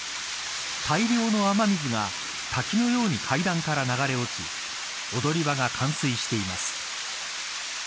大量の雨水が滝のように階段から流れ落ち踊り場が冠水しています。